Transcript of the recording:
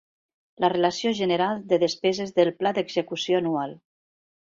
La relació general de despeses del Pla d'execució anual.